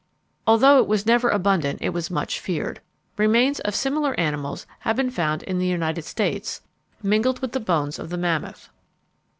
Although it was never abundant it was much feared. Remains of similar animals have been found in the United States mingled with the bones of the mammoth.